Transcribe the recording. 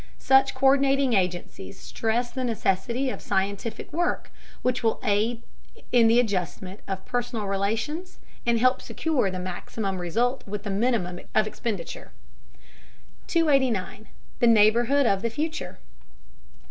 Such co÷rdinating agencies stress the necessity of scientific work which will aid in the adjustment of personal relations and help secure the maximum of result with the minimum of expenditure. 289. THE NEIGHBORHOOD OF THE FUTURE.